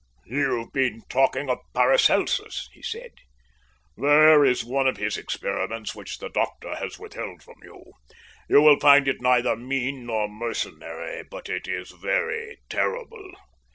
"You've been talking of Paracelsus," he said. "There is one of his experiments which the doctor has withheld from you. You will find it neither mean nor mercenary, but it is very terrible.